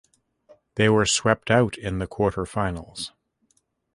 They were swept out in the quarterfinals.